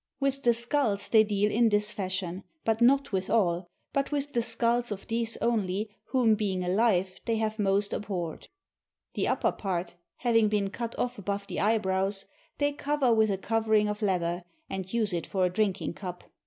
With the skulls they deal in this fashion, but not with all, but with the skulls of these only whom being alive they have rhost abhorred. The upper part, having been cut off above the eyebrows, they cover with a covering of leather, and use it for a drinking cup.